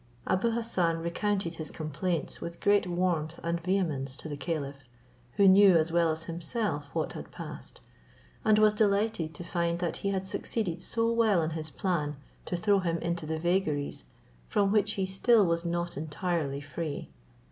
Abou Hassan recounted his complaints with great warmth and vehemence to the caliph, who knew as well as himself what had passed, and was delighted to find that he had succeeded so well in his plan to throw him into the vagaries from which he still was not entirely free.